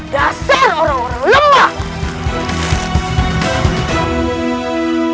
dasar orang orang lemah